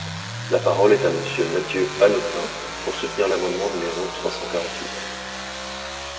La parole est à Monsieur Mathieu Hanotin, pour soutenir l’amendement numéro trois cent quarante-huit.